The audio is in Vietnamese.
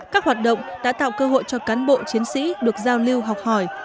các hoạt động đã tạo cơ hội cho cán bộ chiến sĩ được giao lưu học hỏi